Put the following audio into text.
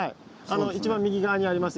一番右側にあります